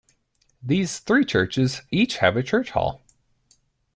These three churches each have a church hall.